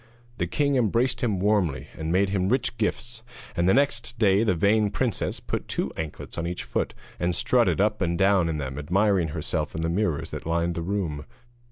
The king embraced him warmly, and made him rich gifts; and the next day the vain princess put two anklets on each foot, and strutted up and down in them admiring herself in the mirrors that lined her room.